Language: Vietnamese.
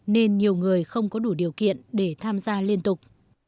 nên nhiều người không có đủ điều kiện để tham gia liên tục